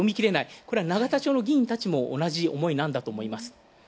これは永田町の議員たちも同じ思いなんだとおもいます。